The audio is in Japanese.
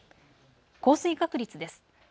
降水確率です。